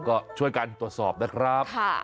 ก็ช่วยกันตรวจสอบนะครับ